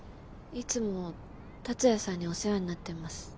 いつも竜也さんにお世話になってます。